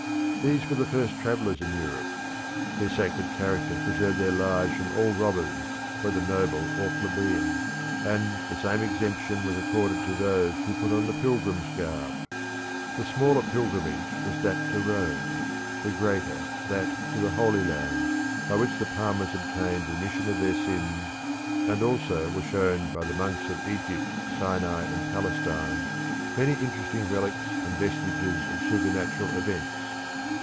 These were the first travellers in Europe. Their sacred character preserved their lives from all robbers, whether noble or plebeian, and the same exemption was accorded to those who put on the pilgrim's garb. The smaller pilgrimage was that to Rome the greater that to the Holy Land, by which the palmers obtained remission of their sins, and also were shown by the monks of Egypt, Sinai, and Palestine, many interesting relics and vestiges of supernatural events.